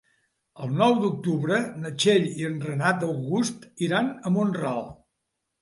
El nou d'octubre na Txell i en Renat August iran a Mont-ral.